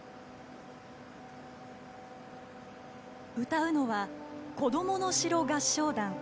歌うのはこどもの城合唱団。